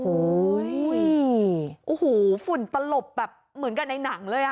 โอ้โหฝุ่นตลบแบบเหมือนกันในหนังเลยอ่ะ